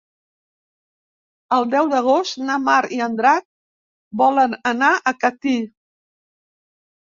El deu d'agost na Mar i en Drac volen anar a Catí.